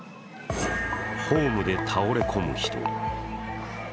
ホームで倒れ込む人。